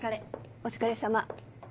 お疲れさま。